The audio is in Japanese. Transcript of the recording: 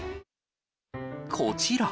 こちら。